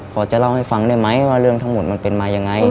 พอจะเล่าให้ฟังได้ไหมว่าเรื่องทั้งหมดมันเป็นมายังไง